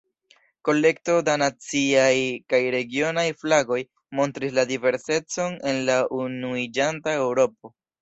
Kolekto da naciaj kaj regionaj flagoj montris la diversecon en la unuiĝanta Eŭropo.